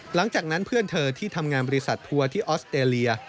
หลังจากนั้นเพื่อนเธอที่ทำงานบริษัททัวร์ที่ออสเตรเลีย